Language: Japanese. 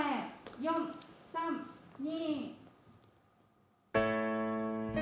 ４３２。